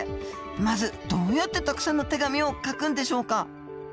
まずどうやってたくさんの手紙を書くんでしょうか？